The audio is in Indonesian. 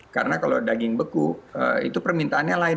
karena kalau daging beku itu permintaannya lain